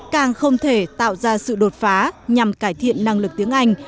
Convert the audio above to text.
càng không thể tạo ra sự đột phá nhằm cải thiện năng lực tiếng anh